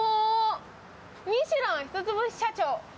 ミシュラン１つ星社長。